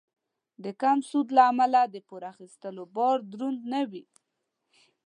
د کم سود له امله د پور اخیستلو بار دروند نه وي.